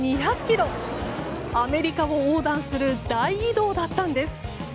アメリカを横断する大移動だったんです。